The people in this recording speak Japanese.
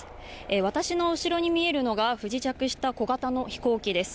私の後ろに見えるのが、不時着した小型の飛行機です。